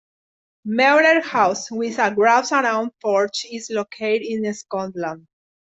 Meurer House, with a wrap-around porch, is located in Scotland.